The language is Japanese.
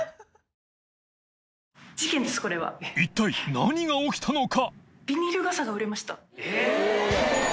祕貘何が起きたのか？